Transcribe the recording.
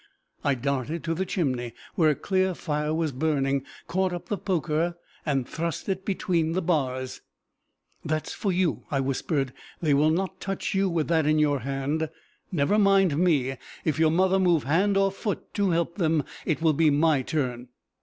I darted to the chimney, where a clear fire was burning, caught up the poker, and thrust it between the bars. "That's for you!" I whispered. "They will not touch you with that in your hand! Never mind me. If your mother move hand or foot to help them, it will be my turn!"